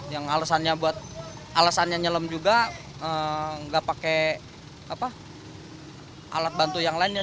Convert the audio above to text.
yang alasannya buat alasannya nyelem juga enggak pakai alat bantu yang lain ya